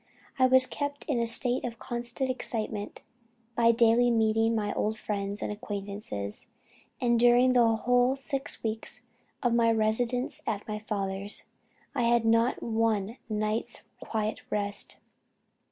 I was kept in a state of constant excitement by daily meeting my old friends and acquaintances; and during the whole six weeks of my residence at my father's, I had not one night's quiet rest.